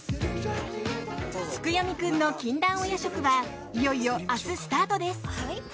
「月読くんの禁断お夜食」はいよいよ明日スタートです。